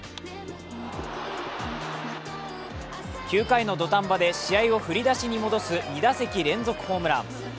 ９回の土壇場で試合を振り出しに戻す、２打席連続ホームラン。